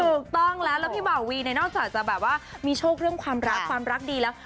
ถูกต้องแล้วแล้วพี่บ่าวีเนี่ยนอกจากจะแบบว่ามีโชคเรื่องความรักความรักดีแล้ว